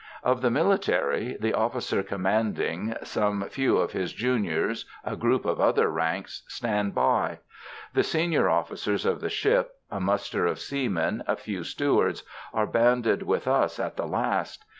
Of the military, the officer commanding, some few of his juniors, a group of other ranks, stand by. The senior officers of the ship, a muster of seamen, a few stewards, are banded with us at the last.